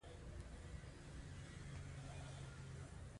دا تر یوې ستراتیژۍ لوړ ګڼل کېده.